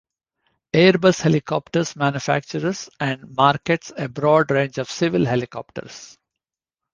Airbus Helicopters manufactures and markets a broad range of civil helicopters.